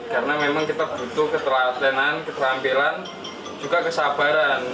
karena memang kita butuh ketelatenan keterampilan juga kesabaran